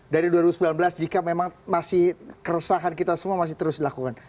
dari dua ribu sembilan belas jika memang masih keresahan kita semua masih terus dilakukan